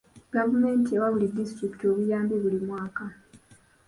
Gavumenti ewa buli disitulikiti obuyambi buli mwaka.